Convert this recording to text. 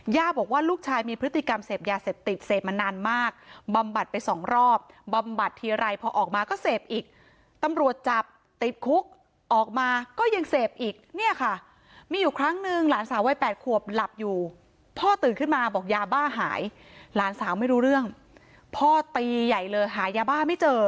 ย่าบอกว่าลูกชายมีพฤติกรรมเสพยาเสพติดเสพมานานมากบำบัดไปสองรอบบำบัดทีไรพอออกมาก็เสพอีกตำรวจจับติดคุกออกมาก็ยังเสพอีกเนี่ยค่ะมีอยู่ครั้งนึงหลานสาววัย๘ขวบหลับอยู่พ่อตื่นขึ้นมาบอกยาบ้าหายหลานสาวไม่รู้เรื่องพ่อตีใหญ่เลยหายาบ้าไม่เจอ